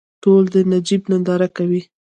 ټول د نجیب ننداره کوي.